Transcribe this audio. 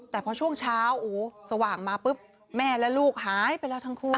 แต่พอช่วงเช้าสว่างมาปุ๊บแม่และลูกหายไปแล้วทั้งคู่